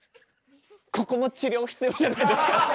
ここも治療必要じゃないですか？